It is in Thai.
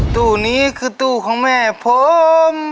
ตู้นี้คือตู้ของแม่ผม